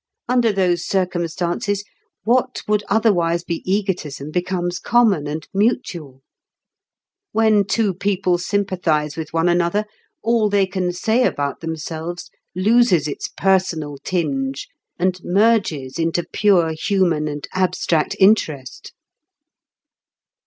Under those circumstances, what would otherwise be egotism becomes common and mutual. When two people sympathise with one another, all they can say about themselves loses its personal tinge and merges into pure human and abstract interest."